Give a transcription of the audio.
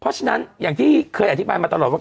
เพราะฉะนั้นอย่างที่เคยอธิบายมาตลอดว่า